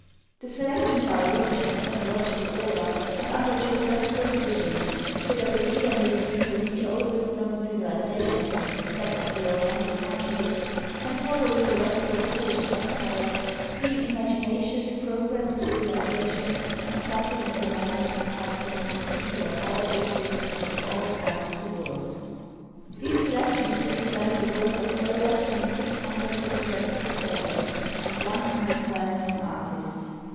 The selections are arranged in chronological order and under geographical divisions so that the reader may begin with the oldest known civilization, — that of the Oriental countries, — and, following the westward "course of empire," see in imagination the progress of civilization and something of the manners and customs of the people of all ages and of all parts of the world. These selections represent the work of no less than six hundred representative authors and one hundred well known artists.